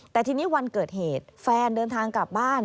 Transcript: แต่ทีนี้วันเกิดเหตุแฟนเดินทางกลับบ้าน